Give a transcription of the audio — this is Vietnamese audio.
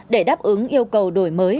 để đáp ứng yêu cầu đổi mới